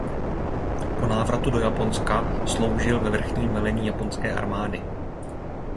Po návratu do Japonska sloužil ve vrchním velení japonské armády.